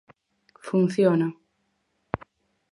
Funciona.